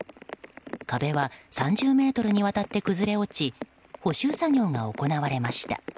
壁は、３０ｍにわたって崩れ落ち補修作業が行われました。